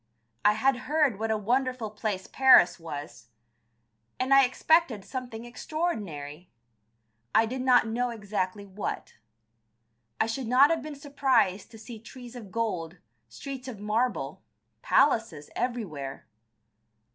I had heard what a wonderful place Paris was, and I expected something extraordinary. I did not know exactly what. I should not have been surprised to see trees of gold, streets of marble, palaces everywhere.